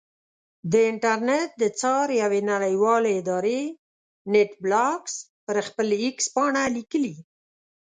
د انټرنېټ د څار یوې نړیوالې ادارې نېټ بلاکس پر خپل ایکس پاڼه لیکلي.